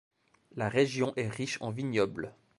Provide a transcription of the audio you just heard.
La région est riche en vignobles.